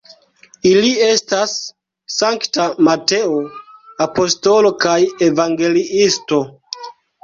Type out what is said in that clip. Ili estas Sankta Mateo apostolo kaj evangeliisto.